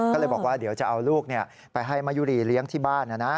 ก็เลยบอกว่าเดี๋ยวจะเอาลูกไปให้มะยุรีเลี้ยงที่บ้านนะนะ